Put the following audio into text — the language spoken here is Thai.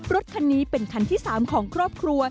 รถคันนี้เป็นคันที่๓ของครอบครัว